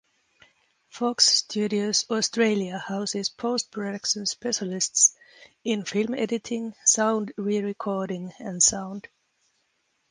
Fox Studios Australia houses post-production specialists in film editing, sound re-recording and sound.